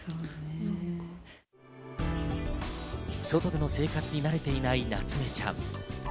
外での生活に慣れていないなつめちゃん。